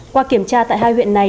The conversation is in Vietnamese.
qua kiểm tra tại hai huyện này